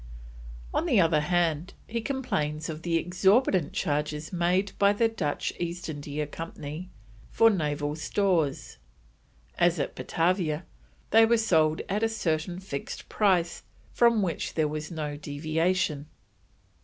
On the other hand, he complains of the exorbitant charges made by the Dutch East India Company for naval stores. As at Batavia, they were sold at a certain fixed price from which there was no deviation.